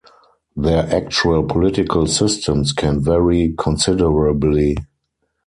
Their actual political systems can vary considerably.